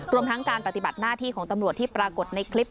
รวมทั้งการปฏิบัติหน้าที่ของตำรวจที่ปรากฏในคลิป